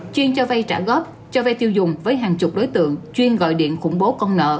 chuyên cho vay trả góp cho vay tiêu dùng với hàng chục đối tượng chuyên gọi điện khủng bố con nợ